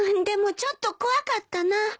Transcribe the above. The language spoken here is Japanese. でもちょっと怖かったな。